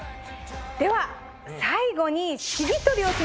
では最後に。